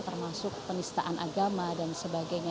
termasuk penistaan agama dan sebagainya